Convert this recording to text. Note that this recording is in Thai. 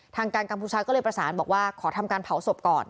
ทางการกัมพูชาก็เลยประสานบอกว่าขอทำการเผาศพก่อน